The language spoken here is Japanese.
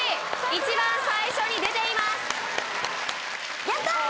一番最初に出ていますやったー！